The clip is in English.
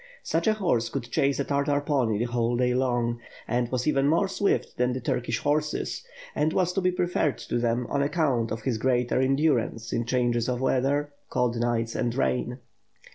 Such a horse could chase a Tartar pony the whole day long, and was even more s^vift than, the Turkish horses; and was to be preferred to them on account of his greater endurance in changes of weather, cold nights and rain.